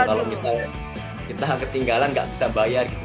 kalau misal kita ketinggalan nggak bisa bayar gitu